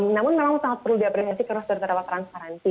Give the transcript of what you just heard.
namun memang sangat perlu diapresiasi karena sudah terdapat transparansi